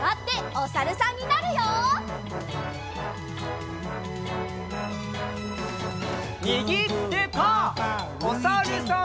おさるさん。